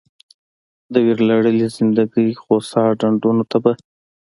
د ویرلړلې زندګي خوسا ډنډونو ته به